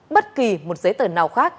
bất kỳ một giấy tờ nào khác